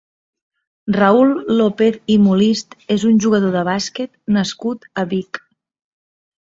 Raül López i Molist és un jugador de bàsquet nascut a Vic.